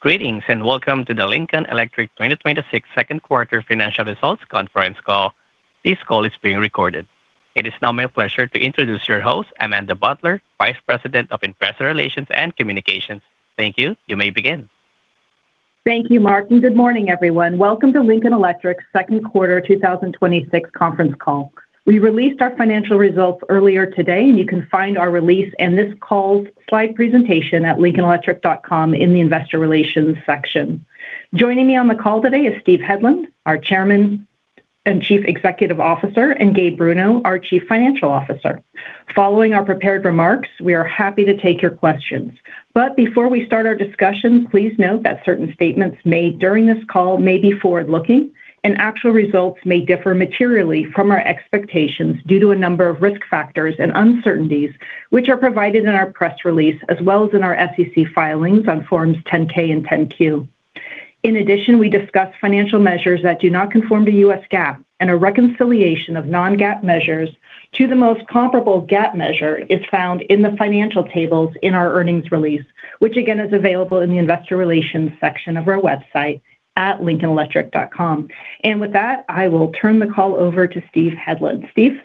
Greetings, welcome to the Lincoln Electric 2026 second quarter financial results conference call. This call is being recorded. It is now my pleasure to introduce your host, Amanda Butler, Vice President of Investor Relations and Communications. Thank you. You may begin. Thank you, Mark, good morning, everyone. Welcome to Lincoln Electric's second quarter 2026 conference call. We released our financial results earlier today, and you can find our release and this call's slide presentation at lincolnelectric.com in the investor relations section. Joining me on the call today is Steve Hedlund, our Chairman and Chief Executive Officer, and Gabe Bruno, our Chief Financial Officer. Following our prepared remarks, we are happy to take your questions. Before we start our discussion, please note that certain statements made during this call may be forward-looking and actual results may differ materially from our expectations due to a number of risk factors and uncertainties, which are provided in our press release, as well as in our SEC filings on Forms 10-K and 10-Q. In addition, we discuss financial measures that do not conform to U.S. GAAP, a reconciliation of non-GAAP measures to the most comparable GAAP measure is found in the financial tables in our earnings release, which again, is available in the investor relations section of our website at lincolnelectric.com. With that, I will turn the call over to Steve Hedlund. Steve?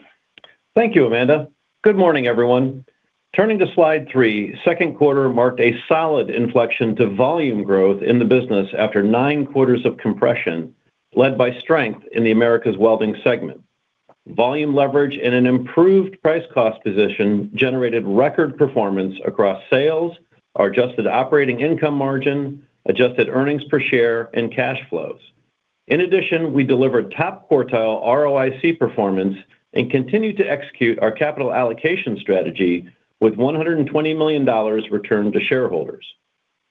Thank you, Amanda. Good morning, everyone. Turning to slide three, second quarter marked a solid inflection to volume growth in the business after nine quarters of compression, led by strength in the Americas Welding segment. Volume leverage and an improved price-cost position generated record performance across sales, our adjusted operating income margin, adjusted earnings per share, and cash flows. In addition, we delivered top-quartile ROIC performance and continued to execute our capital allocation strategy with $120 million returned to shareholders.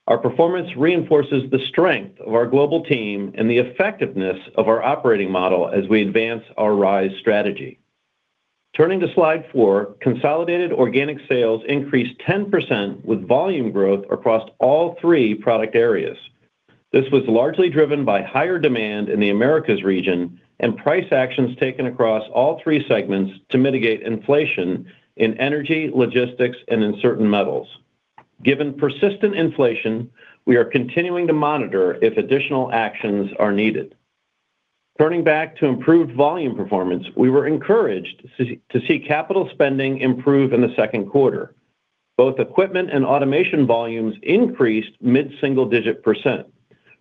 Our performance reinforces the strength of our global team and the effectiveness of our operating model as we advance our RISE strategy. Turning to slide four, consolidated organic sales increased 10% with volume growth across all three product areas. This was largely driven by higher demand in the Americas region and price actions taken across all three segments to mitigate inflation in energy, logistics, and in certain metals. Given persistent inflation, we are continuing to monitor if additional actions are needed. Turning back to improved volume performance, we were encouraged to see capital spending improve in the second quarter. Both equipment and automation volumes increased mid-single digit percent,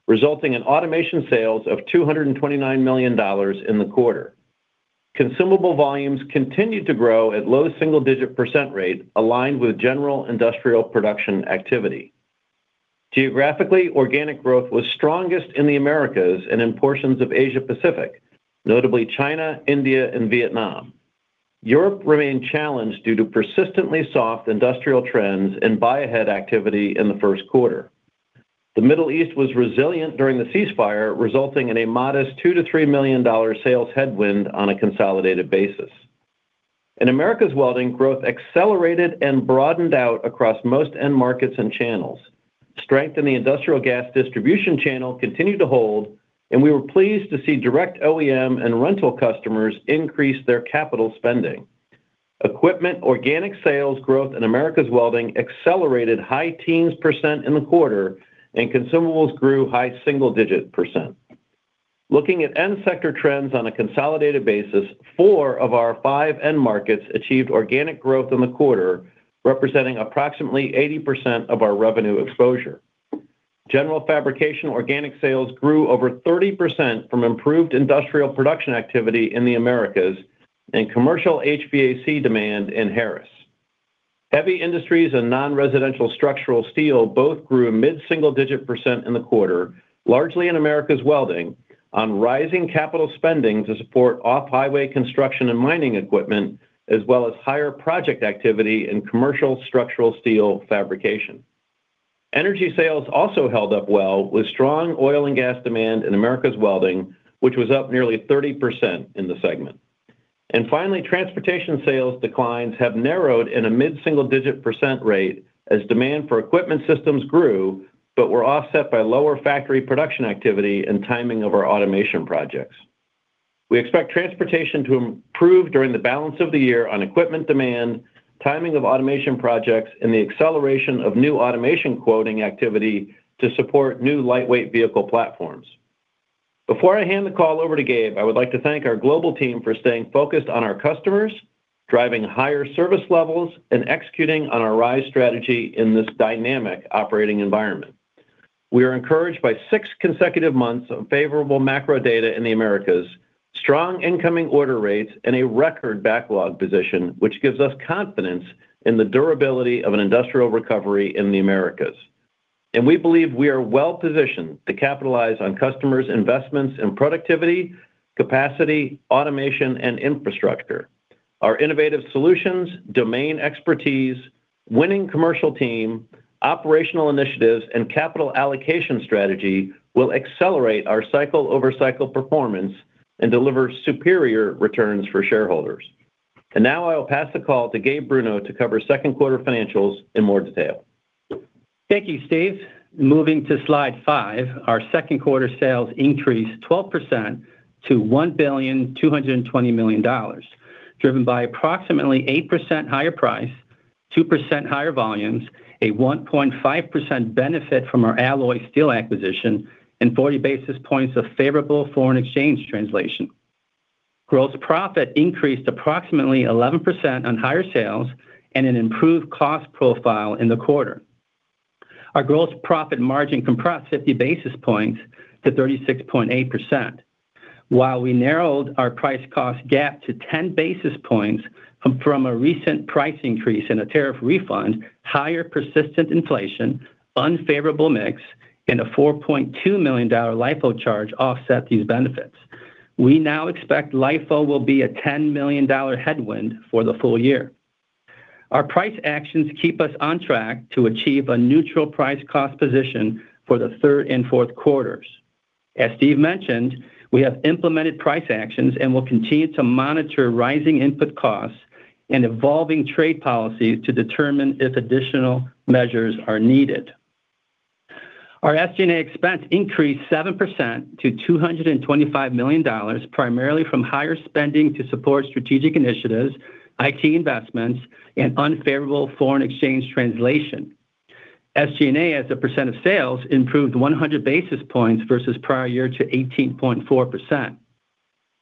resulting in automation sales of $229 million in the quarter. Consumable volumes continued to grow at low double-digit percent rate aligned with general industrial production activity. Geographically, organic growth was strongest in the Americas and in portions of Asia Pacific, notably China, India, and Vietnam. Europe remained challenged due to persistently soft industrial trends and buy-ahead activity in the first quarter. The Middle East was resilient during the ceasefire, resulting in a modest $2 million-$3 million sales headwind on a consolidated basis. In Americas Welding, growth accelerated and broadened out across most end markets and channels. Strength in the industrial gas distribution channel continued to hold, we were pleased to see direct OEM and rental customers increase their capital spending. Equipment organic sales growth in Americas Welding accelerated high teens percent in the quarter, and consumables grew high single digit percent. Looking at end sector trends on a consolidated basis, four of our five end markets achieved organic growth in the quarter, representing approximately 80% of our revenue exposure. General fabrication organic sales grew over 30% from improved industrial production activity in the Americas and commercial HVAC demand in Harris. Heavy industries and non-residential structural steel both grew a mid-single digit percent in the quarter, largely in Americas Welding, on rising capital spending to support off-highway construction and mining equipment, as well as higher project activity in commercial structural steel fabrication. Energy sales also held up well with strong oil and gas demand in Americas Welding, which was up nearly 30% in the segment. Finally, transportation sales declines have narrowed in a mid-single digit percent rate as demand for equipment systems grew, but were offset by lower factory production activity and timing of our automation projects. We expect transportation to improve during the balance of the year on equipment demand, timing of automation projects, and the acceleration of new automation quoting activity to support new lightweight vehicle platforms. Before I hand the call over to Gabe, I would like to thank our global team for staying focused on our customers, driving higher service levels, and executing on our RISE strategy in this dynamic operating environment. We are encouraged by six consecutive months of favorable macro data in the Americas, strong incoming order rates, and a record backlog position, which gives us confidence in the durability of an industrial recovery in the Americas. We believe we are well-positioned to capitalize on customers' investments in productivity, capacity, automation, and infrastructure. Our innovative solutions, domain expertise, winning commercial team, operational initiatives, and capital allocation strategy will accelerate our cycle-over-cycle performance and deliver superior returns for shareholders. Now I will pass the call to Gabe Bruno to cover second quarter financials in more detail. Thank you, Steve. Moving to slide five, our second quarter sales increased 12% to $1,220,000,000, driven by approximately 8% higher price, 2% higher volumes, a 1.5% benefit from our Alloy Steel acquisition, and 40 basis points of favorable foreign exchange translation. Gross profit increased approximately 11% on higher sales and an improved cost profile in the quarter. Our gross profit margin compressed 50 basis points to 36.8%. While we narrowed our price cost gap to 10 basis points from a recent price increase and a tariff refund, higher persistent inflation, unfavorable mix, and a $4.2 million LIFO charge offset these benefits. We now expect LIFO will be a $10 million headwind for the full year. Our price actions keep us on track to achieve a neutral price cost position for the third and fourth quarters. As Steve mentioned, we have implemented price actions and will continue to monitor rising input costs and evolving trade policies to determine if additional measures are needed. Our SG&A expense increased 7% to $225 million, primarily from higher spending to support strategic initiatives, IT investments, and unfavorable foreign exchange translation. SG&A, as a percent of sales, improved 100 basis points versus prior year to 18.4%.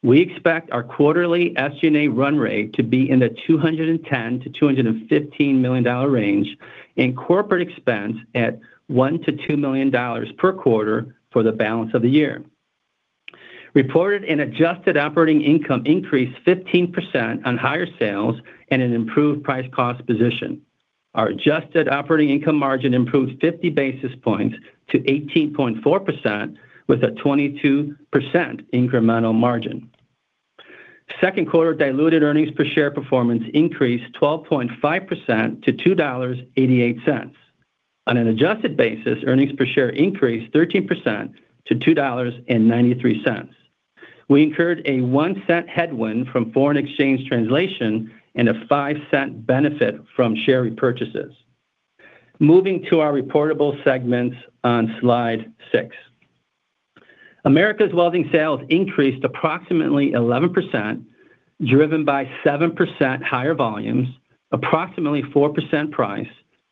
We expect our quarterly SG&A run rate to be in the $210 million-$215 million range, and corporate expense at $1 million-$2 million per quarter for the balance of the year. Reported and adjusted operating income increased 15% on higher sales and an improved price cost position. Our adjusted operating income margin improved 50 basis points to 18.4% with a 22% incremental margin. Second quarter diluted earnings per share performance increased 12.5% to $2.88. On an adjusted basis, earnings per share increased 13% to $2.93. We incurred a $0.01 headwind from foreign exchange translation and a $0.05 benefit from share repurchases. Moving to our reportable segments on slide six. Americas Welding sales increased approximately 11%, driven by 7% higher volumes, approximately 4% price,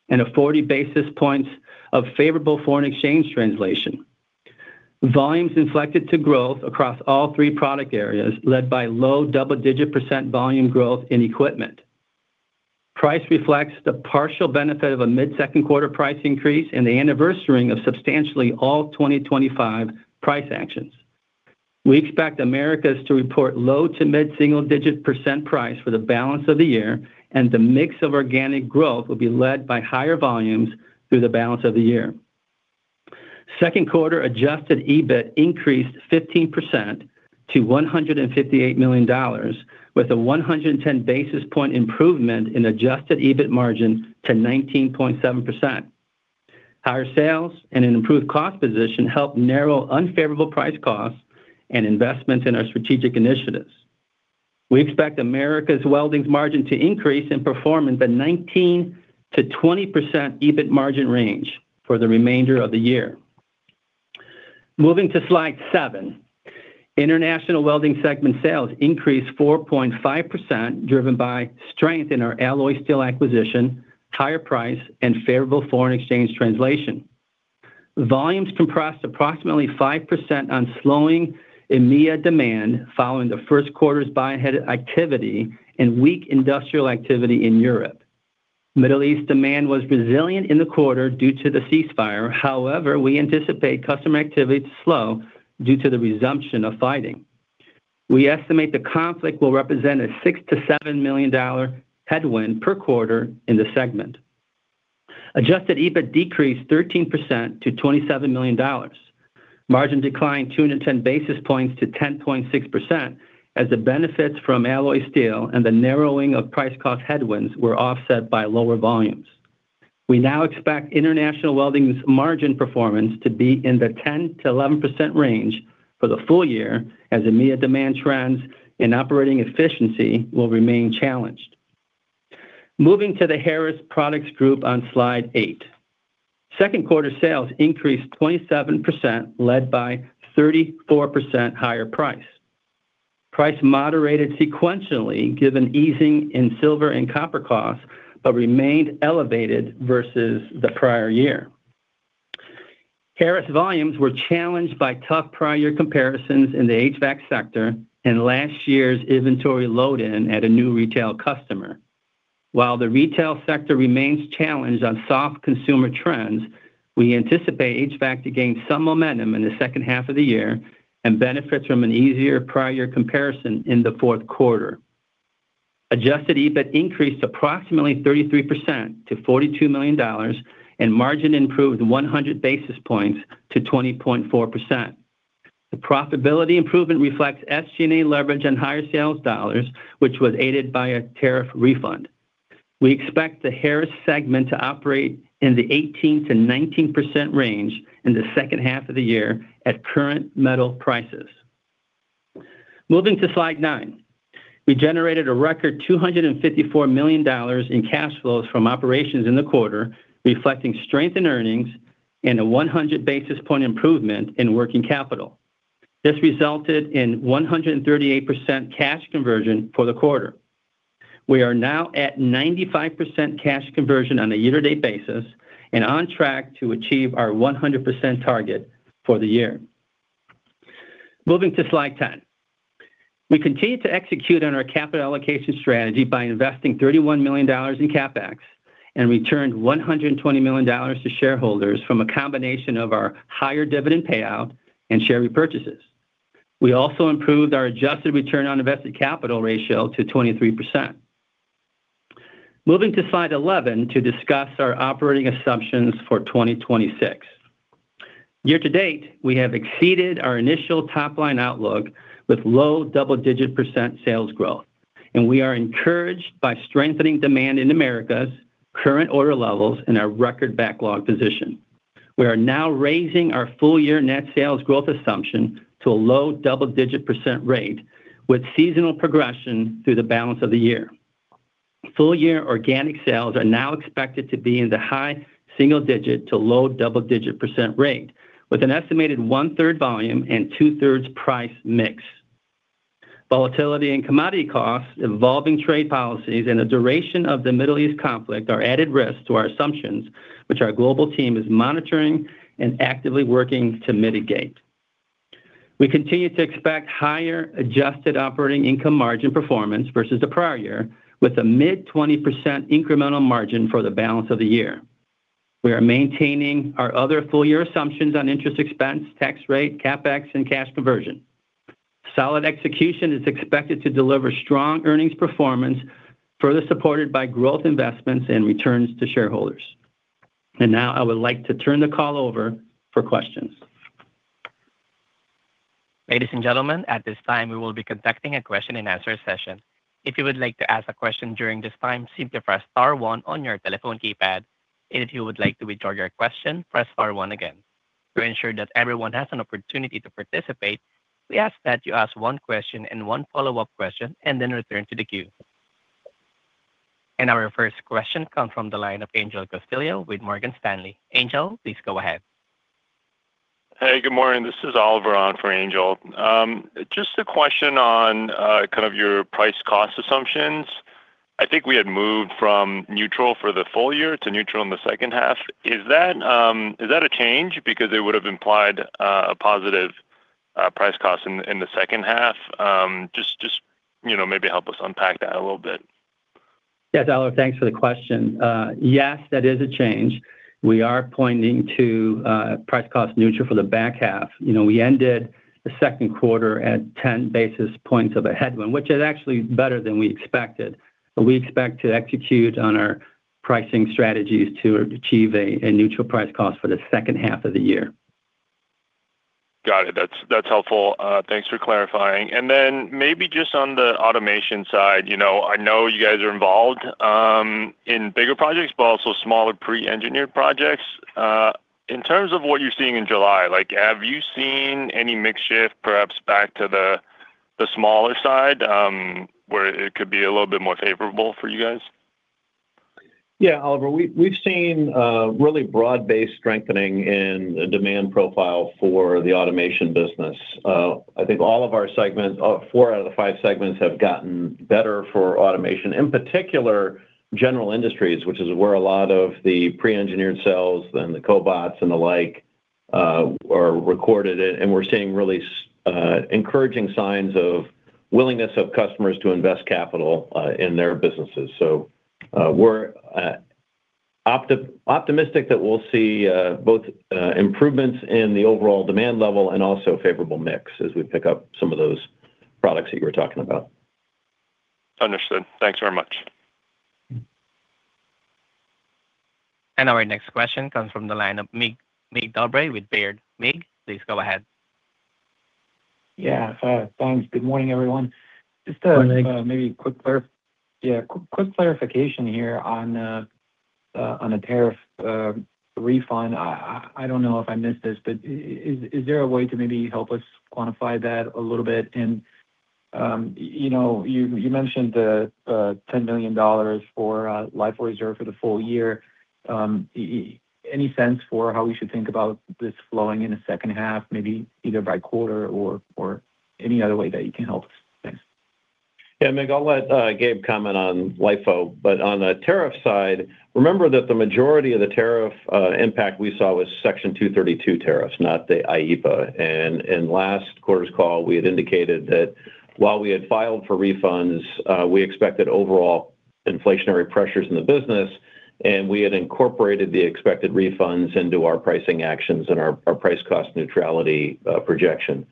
and a 40 basis points of favorable foreign exchange translation. Volumes inflected to growth across all three product areas, led by low double-digit percent volume growth in equipment. Price reflects the partial benefit of a mid-second quarter price increase and the anniversarying of substantially all 2025 price actions. We expect Americas to report low to mid-single digit percent price for the balance of the year, and the mix of organic growth will be led by higher volumes through the balance of the year. Second quarter adjusted EBIT increased 15% to $158 million, with a 110 basis point improvement in adjusted EBIT margin to 19.7%. Higher sales and an improved cost position helped narrow unfavorable price costs and investment in our strategic initiatives. We expect Americas Welding's margin to increase and perform in the 19%-20% EBIT margin range for the remainder of the year. Moving to slide seven. International Welding segment sales increased 4.5%, driven by strength in our Alloy Steel acquisition, higher price, and favorable foreign exchange translation. Volumes compressed approximately 5% on slowing EMEA demand following the first quarter's buy-ahead activity and weak industrial activity in Europe. Middle East demand was resilient in the quarter due to the ceasefire. We anticipate customer activity to slow due to the resumption of fighting. We estimate the conflict will represent a $6 million-$7 million headwind per quarter in the segment. Adjusted EBIT decreased 13% to $27 million. Margin declined 210 basis points to 10.6% as the benefits from Alloy Steel and the narrowing of price cost headwinds were offset by lower volumes. We now expect International Welding's margin performance to be in the 10%-11% range for the full year as EMEA demand trends and operating efficiency will remain challenged. Moving to the Harris Products Group on slide eight. Second quarter sales increased 27%, led by 34% higher price. Price moderated sequentially given easing in silver and copper costs, but remained elevated versus the prior year. Harris volumes were challenged by tough prior comparisons in the HVAC sector and last year's inventory load-in at a new retail customer. While the retail sector remains challenged on soft consumer trends, we anticipate HVAC to gain some momentum in the second half of the year and benefit from an easier prior comparison in the fourth quarter. Adjusted EBIT increased approximately 33% to $42 million, and margin improved 100 basis points to 20.4%. The profitability improvement reflects SG&A leverage on higher sales dollars, which was aided by a tariff refund. We expect the Harris segment to operate in the 18%-19% range in the second half of the year at current metal prices. Moving to slide nine. We generated a record $254 million in cash flows from operations in the quarter, reflecting strength in earnings and a 100 basis point improvement in working capital. This resulted in 138% cash conversion for the quarter. We are now at 95% cash conversion on a year-to-date basis and on track to achieve our 100% target for the year. Moving to slide 10. We continue to execute on our capital allocation strategy by investing $31 million in CapEx and returned $120 million to shareholders from a combination of our higher dividend payout and share repurchases. We also improved our adjusted return on invested capital ratio to 23%. Moving to slide 11 to discuss our operating assumptions for 2026. Year to date, we have exceeded our initial top-line outlook with low double-digit percent sales growth, and we are encouraged by strengthening demand in Americas, current order levels, and our record backlog position. We are now raising our full-year net sales growth assumption to a low double-digit percent rate with seasonal progression through the balance of the year. Full year organic sales are now expected to be in the high single-digit to low double-digit percent rate with an estimated one-third volume and two-thirds price mix. Volatility in commodity costs, evolving trade policies, and the duration of the Middle East conflict are added risks to our assumptions, which our global team is monitoring and actively working to mitigate. We continue to expect higher adjusted operating income margin performance versus the prior year, with a mid-20% incremental margin for the balance of the year. We are maintaining our other full-year assumptions on interest expense, tax rate, CapEx, and cash conversion. Solid execution is expected to deliver strong earnings performance, further supported by growth investments and returns to shareholders. Now I would like to turn the call over for questions. Ladies and gentlemen, at this time, we will be conducting a question and answer session. If you would like to ask a question during this time, simply press star one on your telephone keypad. If you would like to withdraw your question, press star one again. To ensure that everyone has an opportunity to participate, we ask that you ask one question and one follow-up question, then return to the queue. Our first question comes from the line of Angel Castillo with Morgan Stanley. Angel, please go ahead. Hey, good morning. This is Oliver on for Angel. Just a question on kind of your price cost assumptions. I think we had moved from neutral for the full year to neutral in the second half. Is that a change? Because it would have implied a positive price cost in the second half. Just maybe help us unpack that a little bit. Yes, Oliver. Thanks for the question. Yes, that is a change. We are pointing to price cost neutral for the back half. We ended the second quarter at 10 basis points of a headwind, which is actually better than we expected. We expect to execute on our pricing strategies to achieve a neutral price cost for the second half of the year. Got it. That's helpful. Thanks for clarifying. Then maybe just on the automation side. I know you guys are involved in bigger projects, but also smaller pre-engineered projects. In terms of what you're seeing in July, have you seen any mix shift, perhaps back to the smaller side, where it could be a little bit more favorable for you guys? Oliver, we've seen really broad-based strengthening in the demand profile for the automation business. I think all of our segments, four out of the five segments, have gotten better for automation, in particular, general industries, which is where a lot of the pre-engineered cells and the cobots and the like are recorded in. We're seeing really encouraging signs of willingness of customers to invest capital in their businesses. We're optimistic that we'll see both improvements in the overall demand level and also favorable mix as we pick up some of those products that you were talking about. Understood. Thanks very much. Our next question comes from the line of Mig Dobre with Baird. Mig, please go ahead. Thanks. Good morning, everyone. Morning. Just maybe a quick clarification here on the tariff refund. I don't know if I missed this, is there a way to maybe help us quantify that a little bit? You mentioned the $10 million for LIFO reserve for the full year. Any sense for how we should think about this flowing in the second half, maybe either by quarter or any other way that you can help us? Thanks. Yeah, Mig, I'll let Gabe comment on LIFO. On the tariff side, remember that the majority of the tariff impact we saw was Section 232 tariffs, not the IEEPA. In last quarter's call, we had indicated that while we had filed for refunds, we expected overall inflationary pressures in the business, and we had incorporated the expected refunds into our pricing actions and our price cost neutrality projection.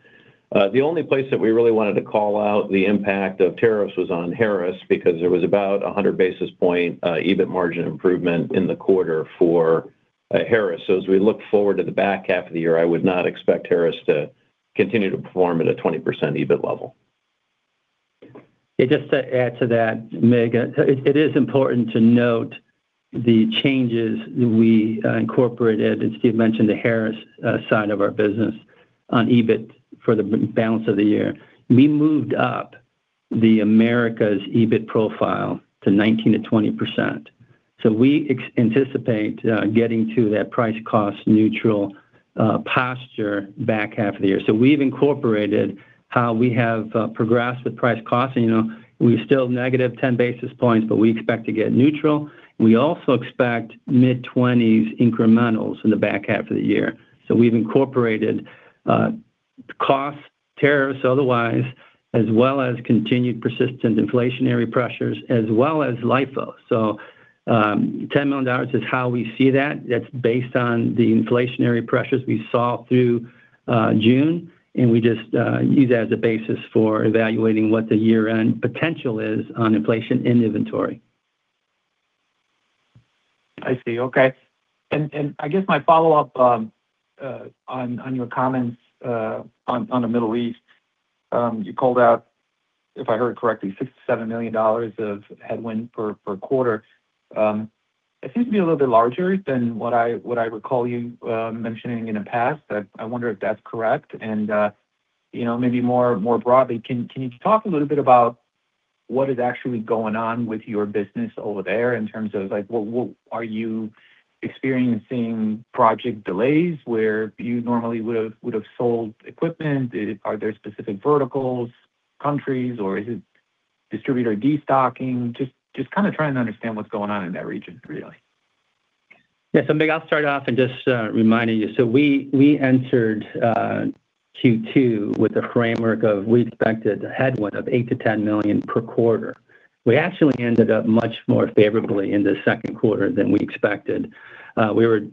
The only place that we really wanted to call out the impact of tariffs was on Harris, because there was about 100 basis point EBIT margin improvement in the quarter for Harris. As we look forward to the back half of the year, I would not expect Harris to continue to perform at a 20% EBIT level. Yeah, just to add to that, Mig, it is important to note the changes we incorporated, as Steve mentioned, the Harris side of our business on EBIT for the balance of the year. We moved up the Americas EBIT profile to 19%-20%. We anticipate getting to that price cost neutral posture back half of the year. We've incorporated how we have progressed with price cost. We're still negative 10 basis points, we expect to get neutral. We also expect mid-20s incrementals in the back half of the year. We've incorporated cost, tariffs, otherwise, as well as continued persistent inflationary pressures, as well as LIFO. $10 million is how we see that. That's based on the inflationary pressures we saw through June, and we just use that as a basis for evaluating what the year-end potential is on inflation in inventory. I see. Okay. I guess my follow-up on your comments on the Middle East. You called out, if I heard correctly, $6 million-$7 million of headwind per quarter. It seems to be a little bit larger than what I recall you mentioning in the past. I wonder if that's correct and maybe more broadly, can you talk a little bit about what is actually going on with your business over there in terms of, are you experiencing project delays where you normally would've sold equipment? Are there specific verticals, countries, or is it distributor destocking? Just trying to understand what's going on in that region, really. Mig, I'll start off in just reminding you. We entered Q2 with a framework of, we expected a headwind of $8 million-$10 million per quarter. We actually ended up much more favorably in the second quarter than we expected. We had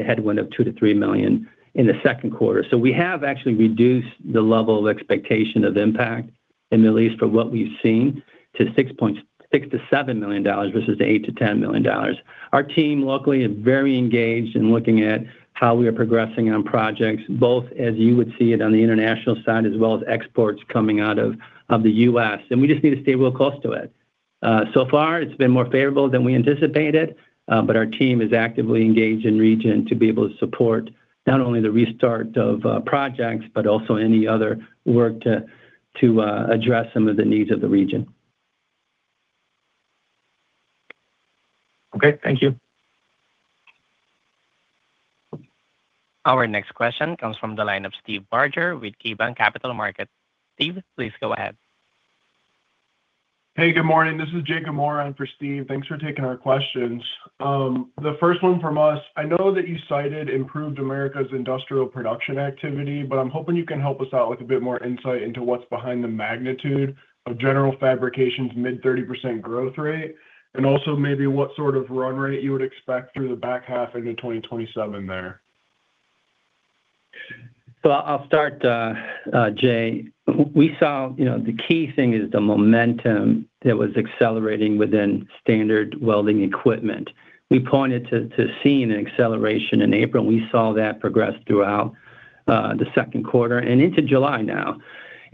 a headwind of $2 million-$3 million in the second quarter. We have actually reduced the level of expectation of impact in the Middle East from what we've seen to $6 million-$7 million versus the $8 million-$10 million. Our team locally is very engaged in looking at how we are progressing on projects, both as you would see it on the international side as well as exports coming out of the U.S., and we just need to stay real close to it. So far it's been more favorable than we anticipated, but our team is actively engaged in region to be able to support not only the restart of projects, but also any other work to address some of the needs of the region. Okay, thank you. Our next question comes from the line of Steve Barger with KeyBanc Capital Markets. Steve, please go ahead. Hey, good morning. This is Jay Gamora in for Steve. Thanks for taking our questions. The first one from us. I know that you cited improved Americas industrial production activity. I'm hoping you can help us out with a bit more insight into what's behind the magnitude of general fabrications mid-30% growth rate, and also maybe what sort of run rate you would expect through the back half into 2027 there. I'll start, Jay. We saw the key thing is the momentum that was accelerating within standard welding equipment. We pointed to seeing an acceleration in April, and we saw that progress throughout the second quarter and into July now.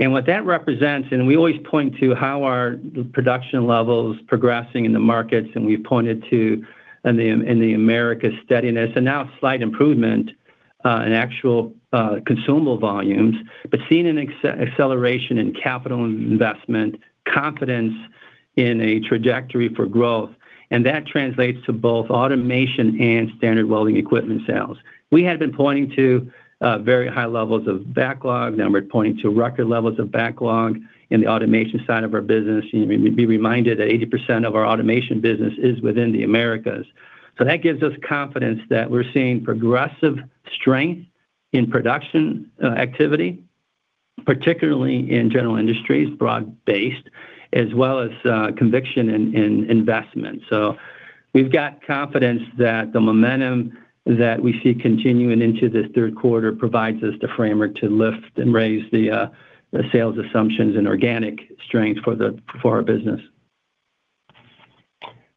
What that represents, and we always point to how our production level is progressing in the markets, and we pointed to in the Americas steadiness, and now slight improvement, in actual consumable volumes. Seeing an acceleration in capital investment, confidence in a trajectory for growth. That translates to both automation and standard welding equipment sales. We had been pointing to very high levels of backlog. Now we're pointing to record levels of backlog in the automation side of our business. Be reminded that 80% of our automation business is within the Americas. That gives us confidence that we're seeing progressive strength in production activity, particularly in general industries, broad-based, as well as conviction in investment. We've got confidence that the momentum that we see continuing into this third quarter provides us the framework to lift and raise the sales assumptions and organic strength for our business.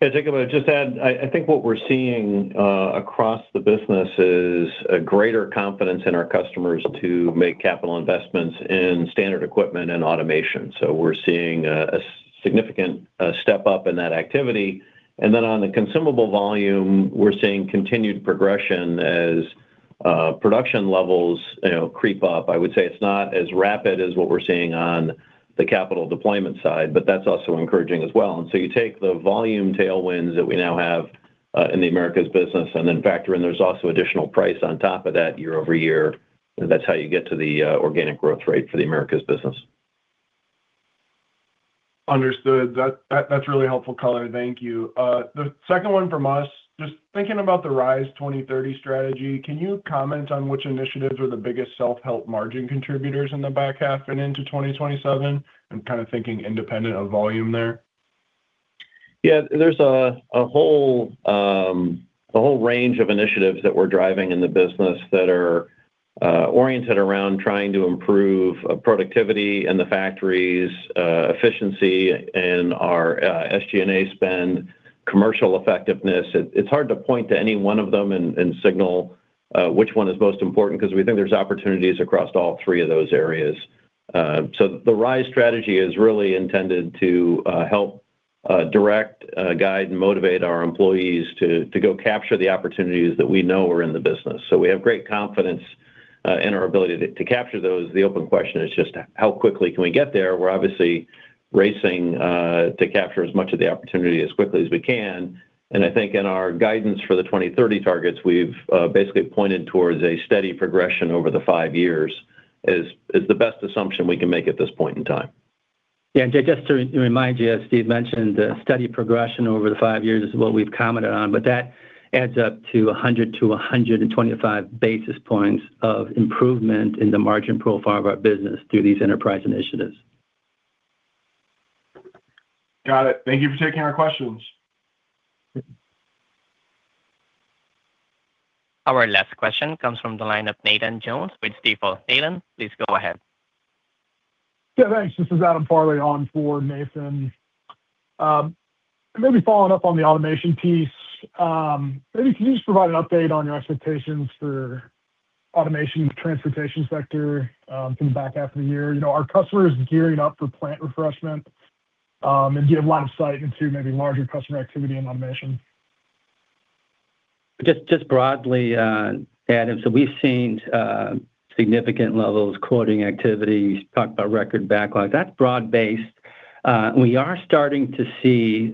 Yeah, Jay, I'm going to just add. I think what we're seeing across the business is a greater confidence in our customers to make capital investments in standard equipment and automation. We're seeing a significant step up in that activity. On the consumable volume, we're seeing continued progression as production levels creep up. I would say it's not as rapid as what we're seeing on the capital deployment side, that's also encouraging as well. You take the volume tailwinds that we now have in the Americas business, then factor in there's also additional price on top of that year-over-year. That's how you get to the organic growth rate for the Americas business. Understood. That's really helpful color. Thank you. The second one from us, just thinking about the RISE 2030 strategy, can you comment on which initiatives were the biggest self-help margin contributors in the back half and into 2027? I'm kind of thinking independent of volume there. There's a whole range of initiatives that we're driving in the business that are oriented around trying to improve productivity in the factories, efficiency in our SG&A spend, commercial effectiveness. It's hard to point to any one of them and signal which one is most important, because we think there's opportunities across all three of those areas. The RISE strategy is really intended to help direct, guide, and motivate our employees to go capture the opportunities that we know are in the business. We have great confidence in our ability to capture those, the open question is just how quickly can we get there? We're obviously racing to capture as much of the opportunity as quickly as we can, and I think in our guidance for the 2030 targets, we've basically pointed towards a steady progression over the five years is the best assumption we can make at this point in time. Just to remind you, as Steve mentioned, the steady progression over the five years is what we've commented on. That adds up to 100 basis points-125 basis points of improvement in the margin profile of our business through these enterprise initiatives. Got it. Thank you for taking our questions. Our last question comes from the line of Nathan Jones with Stifel. Nathan, please go ahead. Thanks. This is Adam Farley on for Nathan. Maybe following up on the automation piece, maybe can you just provide an update on your expectations for automation in the transportation sector from the back half of the year? Are customers gearing up for plant refreshment, and do you have line of sight into maybe larger customer activity and automation? Just broadly, Adam, we've seen significant levels of quoting activity. You talked about record backlog. That's broad based. We are starting to see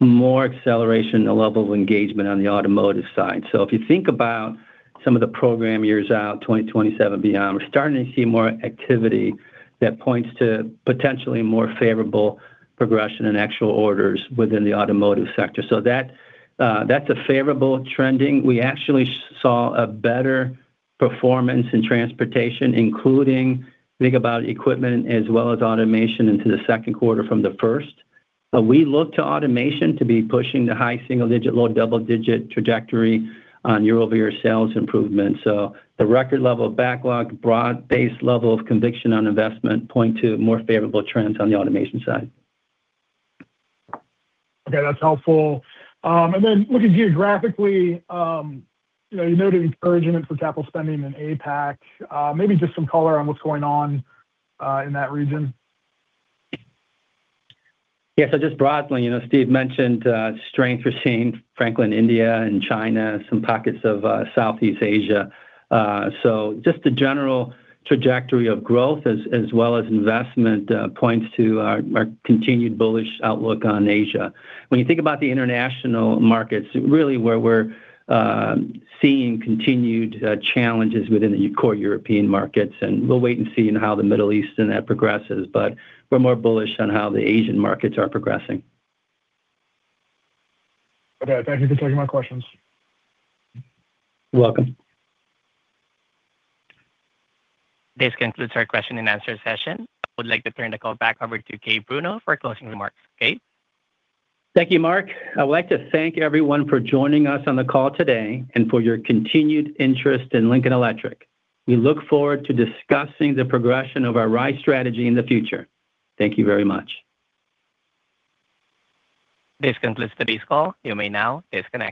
more acceleration, a level of engagement on the automotive side. If you think about some of the program years out, 2027 beyond, we're starting to see more activity that points to potentially more favorable progression in actual orders within the automotive sector. That's a favorable trending. We actually saw a better performance in transportation, including think about equipment as well as automation into the second quarter from the first. We look to automation to be pushing the high single digit, low double digit trajectory on year-over-year sales improvement. The record level of backlog, broad-based level of conviction on investment point to more favorable trends on the automation side. Okay, that's helpful. Looking geographically, you noted encouragement for capital spending in APAC. Maybe just some color on what's going on in that region. Just broadly, Steve mentioned strength we're seeing frankly in India and China, some pockets of Southeast Asia. Just the general trajectory of growth as well as investment points to our continued bullish outlook on Asia. When you think about the international markets, really where we're seeing continued challenges within the core European markets, we'll wait and see how the Middle East and that progresses, we're more bullish on how the Asian markets are progressing. Okay. Thank you for taking my questions. You're welcome. This concludes our question and answer session. I would like to turn the call back over to Gabe Bruno for closing remarks. Gabe? Thank you, Mark. I'd like to thank everyone for joining us on the call today and for your continued interest in Lincoln Electric. We look forward to discussing the progression of our RISE strategy in the future. Thank you very much. This concludes today's call. You may now disconnect.